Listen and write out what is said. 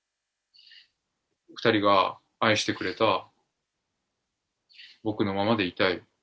２人が愛してくれた僕のままでいたい。